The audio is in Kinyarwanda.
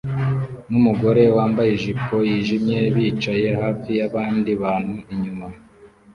numugore wambaye ijipo yijimye bicaye hafi yabandi bantu inyuma